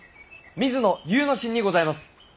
水野祐之進にございます！